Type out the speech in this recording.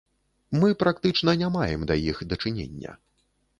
Мы практычна не маем да іх дачынення.